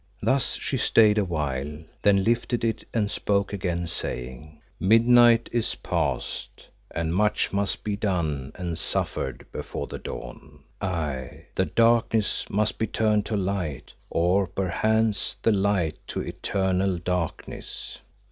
Thus she stayed awhile, then lifted it and spoke again, saying "Midnight is past, and much must be done and suffered before the dawn. Aye, the darkness must be turned to light, or perchance the light to eternal darkness."